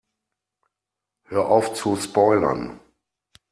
Hör auf zu spoilern!